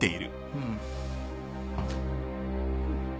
うん。